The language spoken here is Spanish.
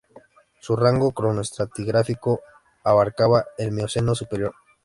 Su rango cronoestratigráfico abarcaba el Mioceno superior.